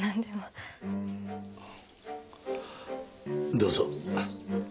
どうぞ。